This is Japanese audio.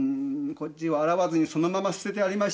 こっちは洗わずにそのまま捨ててありました。